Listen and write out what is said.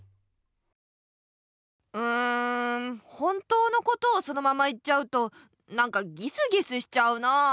うん本当のことをそのまま言っちゃうとなんかギスギスしちゃうなあ。